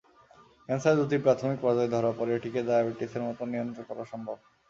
Cancer যদি প্রাথমিক পর্যায়ে ধরা পড়ে এটিকে ডায়াবেটিসের মতো নিয়ন্ত্রণ করা সম্ভব।